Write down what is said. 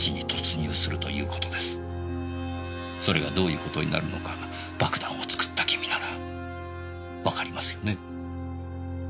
それがどういう事になるのか爆弾を作った君ならわかりますよね？